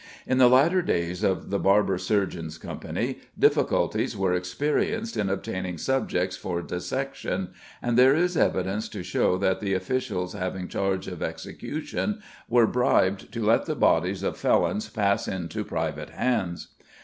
In the later days of the Barber Surgeons' Company difficulties were experienced in obtaining subjects for dissection, and there is evidence to show that the officials having charge of executions were bribed to let the bodies of felons pass into private hands.